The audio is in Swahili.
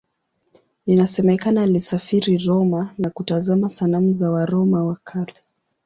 Inasemekana alisafiri Roma na kutazama sanamu za Waroma wa Kale.